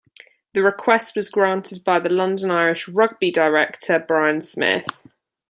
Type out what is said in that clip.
The request was granted by the London Irish rugby director Brian Smith.